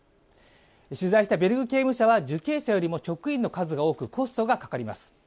取材したベルグ刑務所は受刑者よりも職員の数が多くコストがかかります。